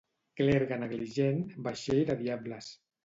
Clergue negligent, vaixell de diables.